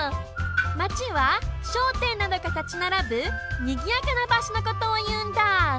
「街」はしょうてんなどがたちならぶにぎやかなばしょのことをいうんだ。